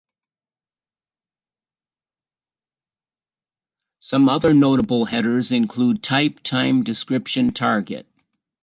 Some other notable headers include: type, time, description, target.